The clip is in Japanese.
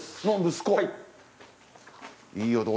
息子？